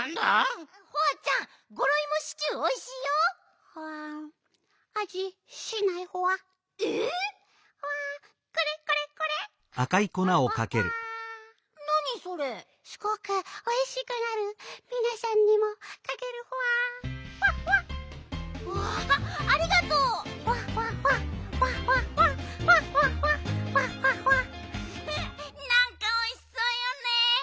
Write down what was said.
なんかおいしそうよね。